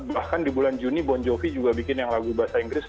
bahkan di bulan juni bon jovi juga bikin yang lagu bahasa inggris